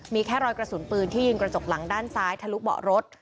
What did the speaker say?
มีแค่รอยกระสุนปืนที่ยิงกระจกหลังด้านซ้ายทะลุเบาะรถ